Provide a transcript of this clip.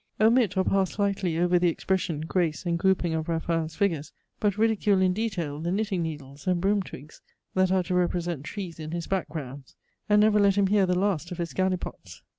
Omit or pass slightly over the expression, grace, and grouping of Raffael's figures; but ridicule in detail the knitting needles and broom twigs, that are to represent trees in his back grounds; and never let him hear the last of his galli pots!